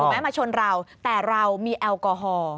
มาชนเราแต่เรามีแอลกอฮอล์